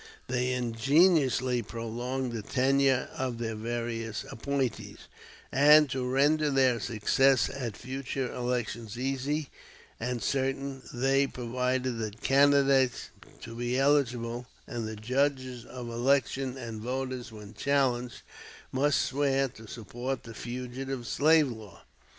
They ingeniously prolonged the tenure of their various appointees, and to render their success at future elections easy and certain they provided that candidates to be eligible, and judges of election, and voters when challenged, must swear to support the Fugitive Slave Law.